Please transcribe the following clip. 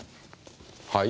はい？